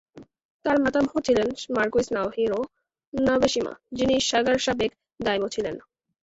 তার মাতামহ ছিলেন মারকুইস নাওহিরো নাবেশিমা, যিনি সাগার সাবেক "দাইমো" ছিলেন।